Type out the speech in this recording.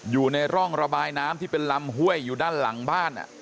อยู่ในร่องระบายน้ำที่เป็นลำห้วยอยู่ด้านหลังบ้าน